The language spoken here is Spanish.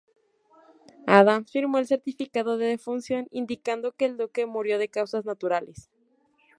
Adams firmó el certificado de defunción indicando que el duque murió de causas naturales.